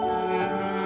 saya sudah mencoba